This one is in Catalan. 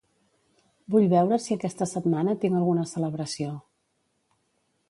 Vull veure si aquesta setmana tinc alguna celebració.